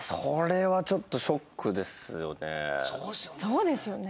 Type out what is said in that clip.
そうですよね。